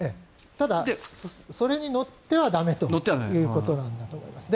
ただ、それに乗っては駄目ということなんだと思います。